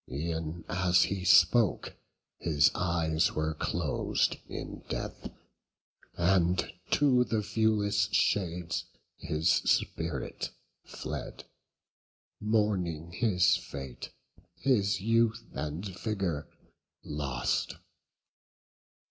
E'en as he spoke, his eyes were clos'd in death; And to the viewless shades his spirit fled, Mourning his fate, his youth and vigour lost.